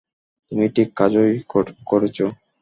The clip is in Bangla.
তুমি ঠিক কাজই করেছো।